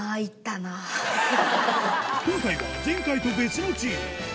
今回は前回と別のチーム果たして